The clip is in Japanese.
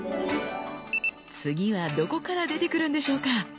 次はどこから出てくるんでしょうか？